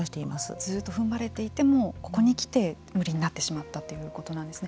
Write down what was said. ずっとふんばれていてもここに来て無理になってしまったということなんですね。